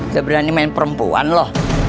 gak berani main perempuan lo